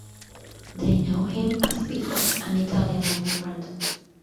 They know him as Beppo, an Italian immigrant.